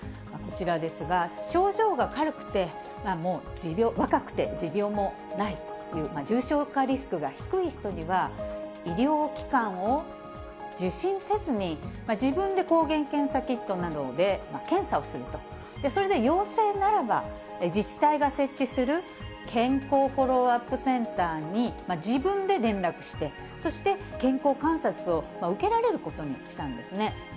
こちらですが、症状が軽くて、若くて持病もないという重症化リスクが低い人には、医療機関を受診せずに、自分で抗原検査キットなどで検査をすると、それで要請ならば、自治体が設置する健康フォローアップセンターに自分で連絡して、そして、健康観察を受けられることにしたんですね。